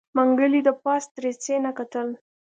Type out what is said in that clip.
منګلي د پاس دريڅې نه کتل.